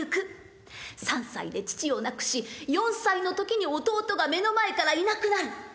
３歳で父を亡くし４歳の時に弟が目の前からいなくなる。